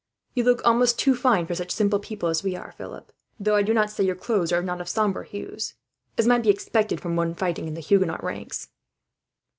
You look almost too fine for such simple people as we are, Philip; though I do not say your clothes are not of sombre hues, as might be expected from one fighting in the Huguenot ranks."